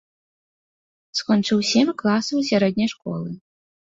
Скончыў сем класаў сярэдняй школы.